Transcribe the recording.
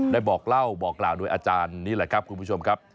บอกเล่าบอกกล่าวโดยอาจารย์นี่แหละครับคุณผู้ชมครับ